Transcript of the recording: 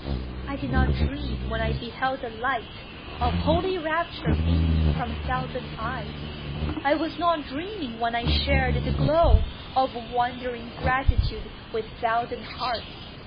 I did not dream when I beheld the light Of holy rapture beam from thousand eyes: I was not dreaming when I shared the glow Of wondering gratitude with thousand hearts.